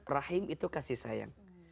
rahim itu kasih sayang